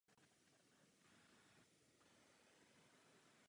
Na šampionátech sbíral pravidelně individuální ocenění.